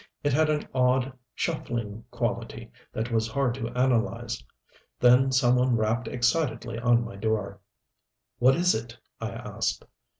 It had an odd, shuffling quality that was hard to analyze. Then some one rapped excitedly on my door. "What is it?" I asked.